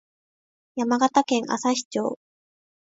山形県朝日町